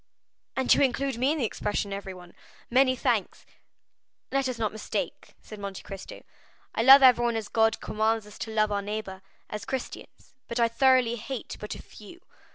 "And you include me in the expression everyone—many thanks!" "Let us not mistake," said Monte Cristo; "I love everyone as God commands us to love our neighbor, as Christians; but I thoroughly hate but a few.